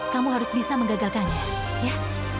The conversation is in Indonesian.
kamu harus bisa menggagalkannya ya